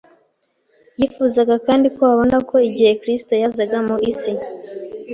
Yifuzaga kandi ko babona ko igihe Kristo yazaga mu isi,